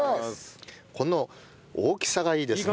この大きさがいいですね。